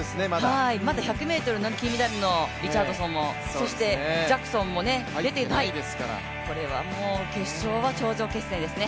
まだ１００ｍの金メダルのリチャードソンもジャクソンも出てない、これは決勝は頂上決戦ですね。